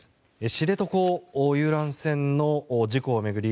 知床遊覧船の事故を巡り